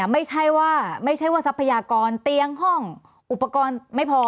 ไม่ใช่ว่าทรัพยากรเตียงห้องอุปกรณ์ไม่พอ